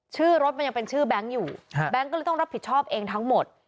ชื่อรถมันยังเป็นชื่อแบงค์อยู่แบงค์ก็เลยต้องรับผิดชอบเองทั้งหมด